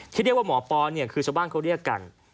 ที่เรียกว่าหมอปอเนี่ยคือชาวบ้านเขาเรียกกัน